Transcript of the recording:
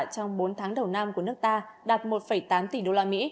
trong bốn tháng đầu năm của nước ta đạt một tám tỷ usd